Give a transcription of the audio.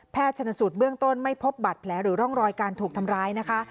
ชนสูตรเบื้องต้นไม่พบบัตรแผลหรือร่องรอยการถูกทำร้ายนะคะ